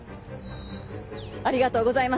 ありがとうございます。